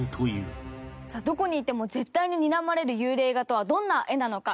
さあどこにいても絶対ににらまれる幽霊画とはどんな絵なのか？